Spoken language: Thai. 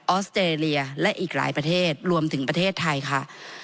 อสเตรเลียและอีกหลายประเทศรวมถึงประเทศไทยค่ะ